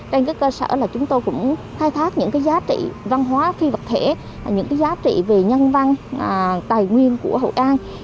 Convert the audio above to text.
trên cơ sở là chúng tôi cũng khai thác những cái giá trị văn hóa phi vật thể những cái giá trị về nhân văn tài nguyên của hội an